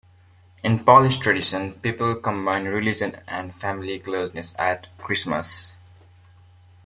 In Polish tradition, people combine religion and family closeness at Christmas.